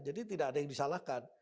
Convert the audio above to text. jadi tidak ada yang disalahkan